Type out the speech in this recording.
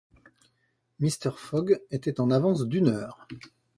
Mr. Fogg était en avance d’une heure.